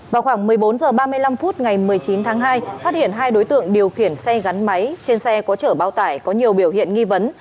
vào khoảng một mươi bốn h ba mươi năm phút ngày một mươi chín tháng hai phát hiện hai đối tượng điều khiển xe gắn máy trên xe có chở bao tải có nhiều biểu hiện nghi vấn